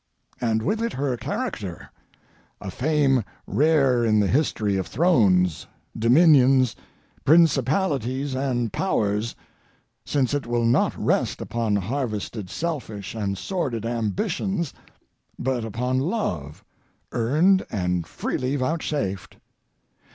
And with it her character—a fame rare in the history of thrones, dominions, principalities, and powers, since it will not rest upon harvested selfish and sordid ambitions, but upon love, earned and freely vouchsafed.